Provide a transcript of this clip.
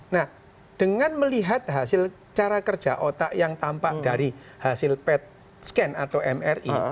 nah dengan melihat hasil cara kerja otak yang tampak dari hasil pet scan atau mri